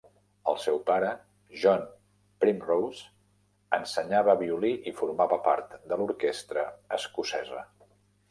El seu pare, John Primrose, ensenyava violí i formava part de l'orquestra escocesa.